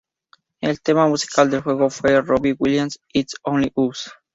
El tema musical del juego fue Robbie Williams, "It's Only Us".